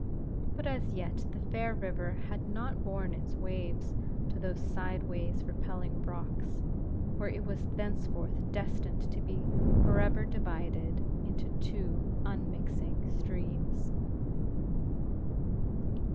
But as yet the fair river had not borne its waves to those sideways repelling rocks, where it was thenceforth destined to be forever divided into two unmixing streams.